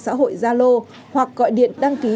xã hội zalo hoặc gọi điện đăng ký